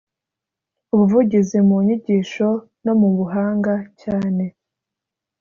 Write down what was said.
ubuvuzi mu nyigisho no mu buhanga cyane